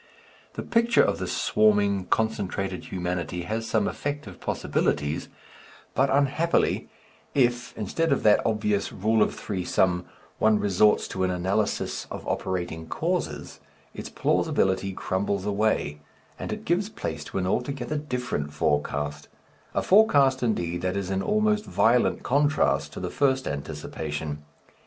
The picture of this swarming concentrated humanity has some effective possibilities, but, unhappily, if, instead of that obvious rule of three sum, one resorts to an analysis of operating causes, its plausibility crumbles away, and it gives place to an altogether different forecast a forecast, indeed, that is in almost violent contrast to the first anticipation.